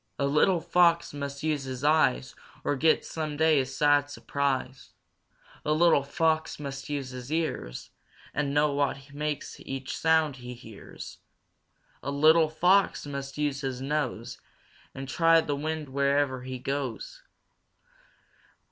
"A little Fox must use his eyes Or get someday a sad surprise. "A little Fox must use his ears And know what makes each sound he hears. "A little Fox must use his nose And try the wind where'er he goes.